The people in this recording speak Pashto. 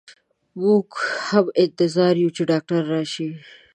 مو ږ هم انتظار يو چي ډاکټر راشئ.